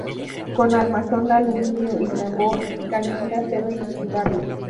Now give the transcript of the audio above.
Con armazón de aluminio y tambor y cañón de acero inoxidable.